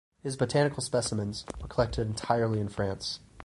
His botanical specimens were collected entirely in France.